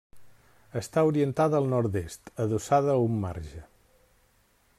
Està orientada al nord-est, adossada a un marge.